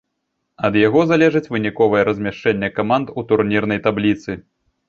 Ад яго залежыць выніковае размяшчэнне каманд у турнірнай табліцы.